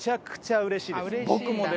うれしいです。